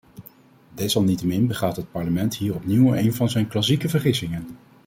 Desalniettemin begaat het parlement hier opnieuw een van zijn klassieke vergissingen.